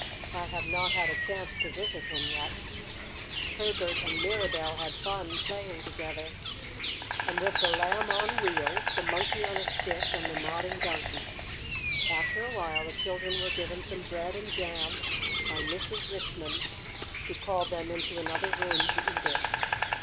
I have not had a chance to visit him yet." Herbert and Mirabell had fun playing together, and with the Lamb on Wheels, the Monkey on a Stick, and the Nodding Donkey. After a while the children were given some bread and jam by Mrs. Richmond, who called them into another room to eat it.